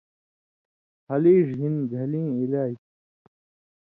ہلیڙ ہِن گھلیں علاج